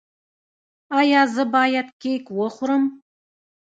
ایا زه باید کیک وخورم؟